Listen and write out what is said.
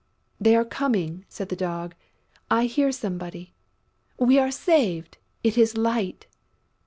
"They are coming!" said the Dog. "I hear somebody!... We are saved! It is Light!...